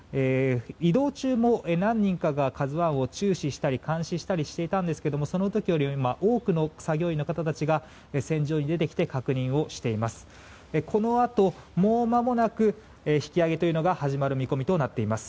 移動中も何人かが「ＫＡＺＵ１」を注視したり監視したりしていたんですが今、その時よりも多くの作業員の方たちが船上に出てきて確認をしています。